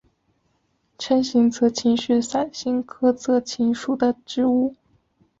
滇西泽芹是伞形科泽芹属的植物。